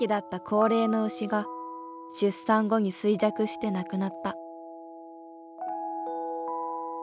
高齢の牛が出産後に衰弱して亡くなった。